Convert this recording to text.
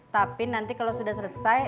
tapi nanti kalau sudah selesai